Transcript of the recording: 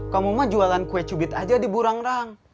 kamu mah jualan kue cubit aja di burang rang